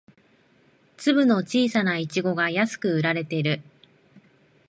粒の小さなイチゴが安く売られている